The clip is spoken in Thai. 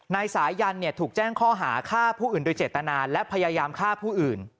นายสายันถูกแจ้งข้อหาฆ่าผู้อื่นโดยเจตนาและพยายามฆ่าผู้อื่น